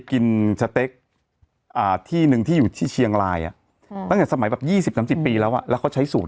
กินตลอดเออแต่เห็นสาขาเยอะตอนนี้มันมีสาขาแล้วไม่ใช่เหรอ